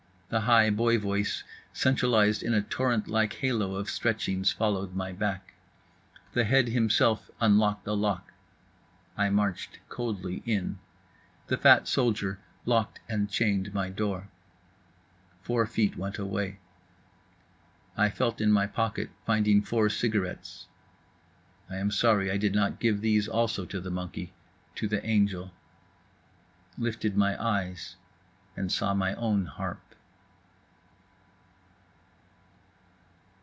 The high boy voice, centralized in a torrent like halo of stretchings, followed my back. The head himself unlocked a lock. I marched coldly in. The fat soldier locked and chained my door. Four feet went away. I felt in my pocket, finding four cigarettes. I am sorry I did not give these also to the monkey—to the angel. Lifted my eyes and saw my own harp.